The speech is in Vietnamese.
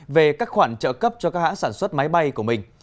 về các khoản trợ cấp cho các hãng sản xuất máy bay của mình